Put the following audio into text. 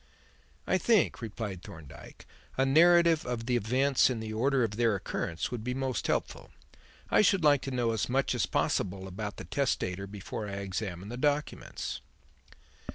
"I think," replied Thorndyke, "a narrative of the events in the order of their occurrence would be most helpful. I should like to know as much as possible about the testator before I examine the documents."